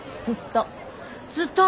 ずっと。